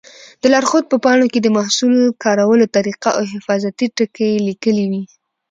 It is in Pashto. د لارښود په پاڼو کې د محصول کارولو طریقه او حفاظتي ټکي لیکلي وي.